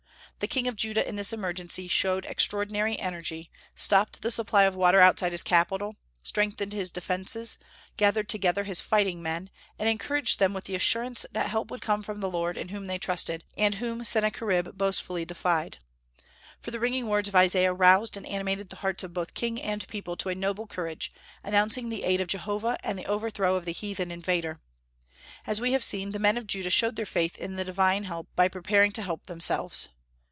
The king of Judah in this emergency showed extraordinary energy, stopped the supply of water outside his capital, strengthened his defences, gathered together his fighting men, and encouraged them with the assurance that help would come from the Lord, in whom they trusted, and whom Sennacherib boastfully defied. For the ringing words of Isaiah roused and animated the hearts of both king and people to a noble courage, announcing the aid of Jehovah and the overthrow of the heathen invader. As we have seen, the men of Judah showed their faith in the divine help by preparing to help themselves.